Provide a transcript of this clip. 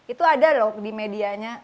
itu ada loh di medianya